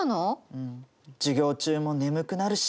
うん授業中も眠くなるし。